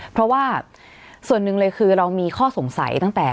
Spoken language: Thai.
เพราะว่าส่วนหนึ่งเลยคือเรามีข้อสงสัยตั้งแต่